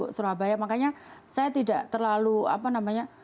jadi surabaya makanya saya tidak terlalu apa namanya